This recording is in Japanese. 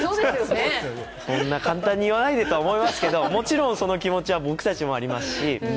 そんな簡単に言わないでとは思いますけどもちろん、その気持ちは僕たちもありますし。